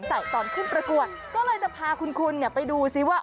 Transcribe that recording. ตอนขึ้นประกวดก็เลยจะพาคุณไปดูซิว่า